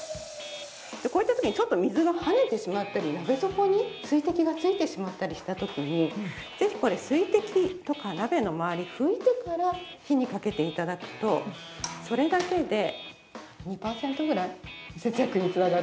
こういった時にちょっと水が跳ねてしまったり鍋底に水滴がついてしまったりした時にぜひ水滴とか鍋のまわり拭いてから火にかけて頂くとそれだけで２パーセントくらい節約につながるんですね。